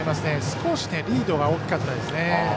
少しリードが大きかったですね。